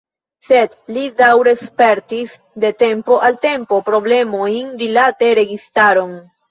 Sed li daŭre spertis, de tempo al tempo, problemojn rilate registaron.